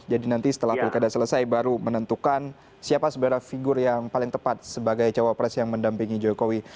jadi nanti setelah pilkada selesai baru menentukan siapa sebarang figur yang paling tepat sebagai cawapres yang mendampingi jokowi